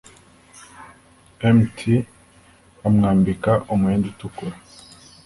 mt bamwambika umwenda utukura